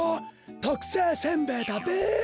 とくせいせんべだべ。